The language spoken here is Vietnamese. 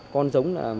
còn giống là